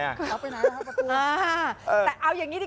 เอาไปไหนกันเหรอเอาประตู